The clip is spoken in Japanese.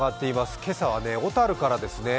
今朝は小樽からですね。